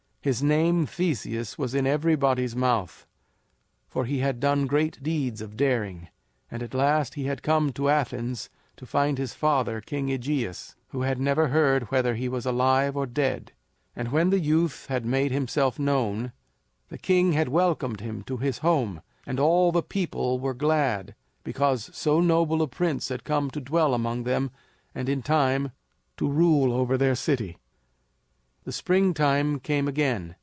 His name, Theseus, was in everybody's mouth, for he had done great deeds of daring; and at last he had come to Athens to find his father, King AEgeus, who had never heard whether he was alive or dead; and when the youth had made himself known, the king had welcomed him to his home and all the people were glad because so noble a prince had come to dwell among them and, in time, to rule over their city. The springtime came again.